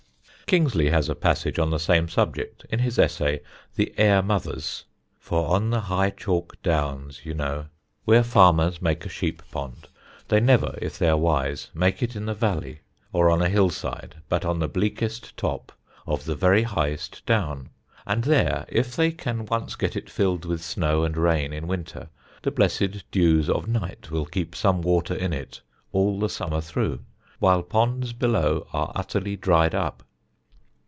Kingsley has a passage on the same subject in his essay, "The Air Mothers" "For on the high chalk downs, you know, where farmers make a sheep pond, they never, if they are wise, make it in the valley or on a hillside, but on the bleakest top of the very highest down; and there, if they can once get it filled with snow and rain in winter, the blessed dews of night will keep some water in it all the summer thro', while ponds below are utterly dried up."